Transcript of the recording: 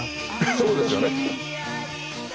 そうですよね。